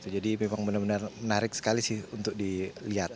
jadi memang benar benar menarik sekali sih untuk dilihat